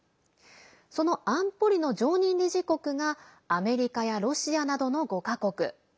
その安保理の常任理事国がアメリカやロシアなどの５か国。